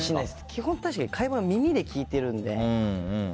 基本、確かに会話は耳で聞いてるので。